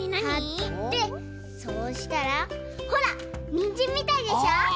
はってそうしたらほらにんじんみたいでしょ？